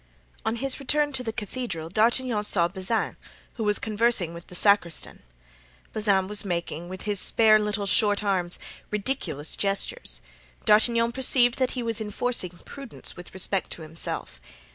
On his return to the cathedral, D'Artagnan saw Bazin, who was conversing with the sacristan. Bazin was making, with his spare little short arms, ridiculous gestures. D'Artagnan perceived that he was enforcing prudence with respect to himself.